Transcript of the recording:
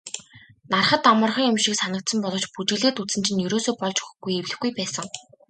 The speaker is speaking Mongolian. Hарахад амархан юм шиг санагдсан боловч бүжиглээд үзсэн чинь ерөөсөө болж өгөхгүй эвлэхгүй байсан.